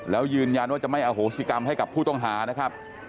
แล้วยืนยันว่าจะไม่อโหสิกรรมให้กับผู้ต้องหานะครับ